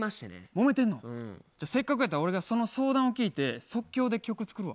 もめてんの？じゃあせっかくやったら俺がその相談を聞いて即興で曲作るわ。